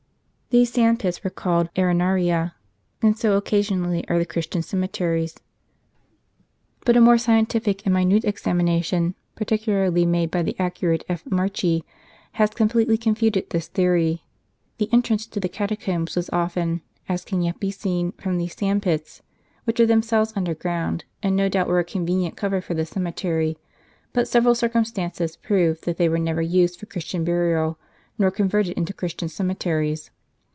These sand pits were called arenarta, and so occasionally are the Christian cemeteries. But a more scientific and minute examination, particularly made by the accurate F. Marchi, has completely confuted this theory. The entrance to the catacombs was often, as can yet be seen, from these sand pits, which are themselves under ground, and no doubt were a convenient cover for the cemetery ; but several circumstances prove that they were never used for Christian burial, nor converted into Christian cemeteries.